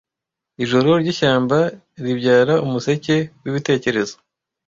ijoro ryishyamba ribyara umuseke wibitekerezo